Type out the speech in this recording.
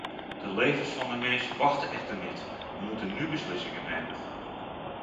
De levens van de mensen wachten echter niet, we moeten nu beslissingen nemen.